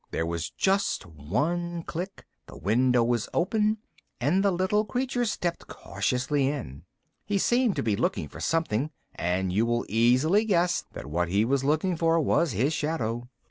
There was just one click, the window was open, and the little creature stepped cautiously in. He seemed to be looking for something; and you will easily guess that what he was looking for was his shadow.